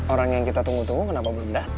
orang yang kita tunggu tunggu kenapa belum dateng ya